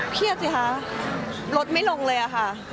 เครียดสิคะรสไม่ลงเลยอะค่ะ